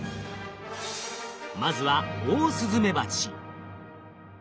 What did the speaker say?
まずはオオスズメバチ。